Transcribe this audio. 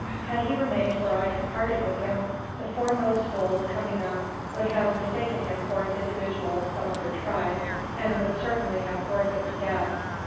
Had he remained where I had parted with him, the foremost bulls coming up would have mistaken him for an individual of some other tribe, and would certainly have gored him to death.